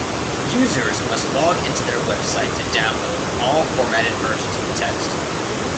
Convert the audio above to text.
Users must log into their website to download all formatted versions of the text.